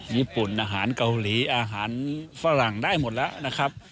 ญี่ปุ่นอาหารเกาหลีอาหารฝรั่งได้หมดแล้วนะครับ